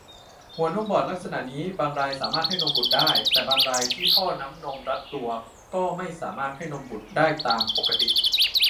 หัวนมบอดลักษณะนี้บางรายสามารถให้นมบุตรได้ แต่บางรายที่ท่อน้ำนมรัดตัวก็ไม่สามารถให้นมบุตรได้ตามปกติ